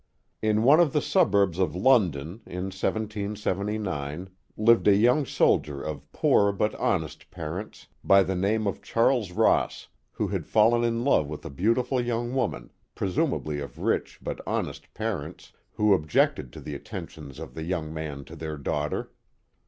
In one of the suburbs of London, in 1779. lived a young soldier of poor but honest parents, by the name of Charles Ross, who had fallen in love with a beautiful young woman, presumably of rich but honest parents, who objected to the attentions of the young man to their daughter.